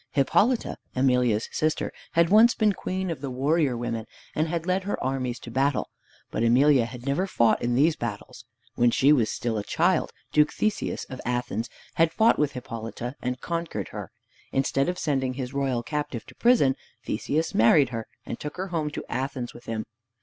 Hippolyta, Emelia's sister, had once been queen of the Warrior Women, and had led her armies to battle. But Emelia had never fought in these battles. When she was still a child, Duke Theseus of Athens had fought with Hippolyta and conquered her. Instead of sending his royal captive to prison, Theseus married her, and took her home to Athens with him.